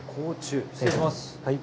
失礼します。